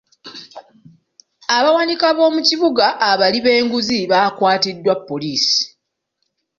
Abawanika b'omu kibuga abali b'enguzi bakwatiddwa poliisi.